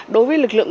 đối với lực lượng